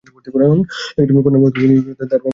কন্যার বক্তব্য অনুযায়ী তার বাবা অসুস্থ।